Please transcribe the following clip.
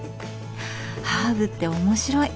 ハーブって面白い。